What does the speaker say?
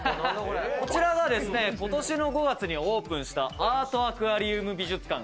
こちらがですね今年の５月にオープンしたアートアクアリウム美術館